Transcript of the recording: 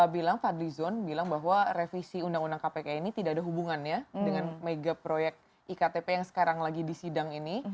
bilang fadli zon bilang bahwa revisi undang undang kpk ini tidak ada hubungannya dengan mega proyek iktp yang sekarang lagi di sidang ini